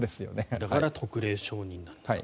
だから特例承認だと。